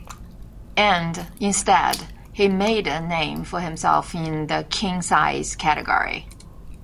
And, instead, he made a name for himself in the “King size” category.